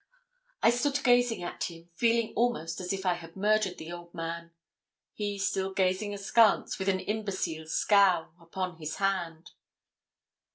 I stood gazing at him, feeling almost as if I had murdered the old man he still gazing askance, with an imbecile scowl, upon his hand.